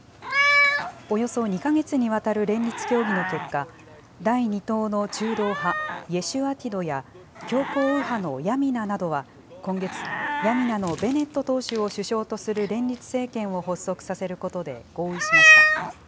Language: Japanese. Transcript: およそ２か月にわたる連立協議の結果、第２党の中道派、イェシュアティドや強硬右派のヤミナなどは、今月、ヤミナのベネット党首を首相とする連立政権を発足させることで合意しました。